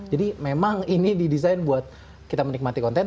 jadi memang ini didesain buat kita menikmati konten